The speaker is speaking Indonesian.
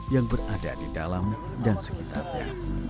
yang berada di dalam dan sekitarnya